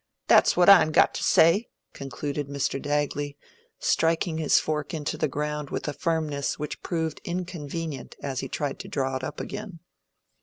That's what I'n got to say," concluded Mr. Dagley, striking his fork into the ground with a firmness which proved inconvenient as he tried to draw it up again.